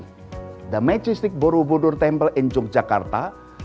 ketempat buru buru majestu di yogyakarta